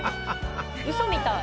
うそみたい。